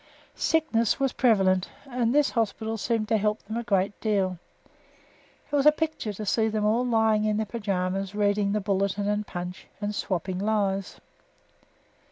Sickness was prevalent, and this hospital seemed to help them a great deal. It was a picture to see them all lying in their pyjamas reading the Bulletin and Punch, and swapping lies.